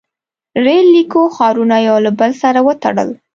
• ریل لیکو ښارونه یو له بل سره وتړل.